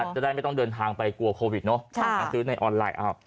จะได้ไม่ต้องเดินทางไปกลัวโควิดเนอะซื้อในออนไลน์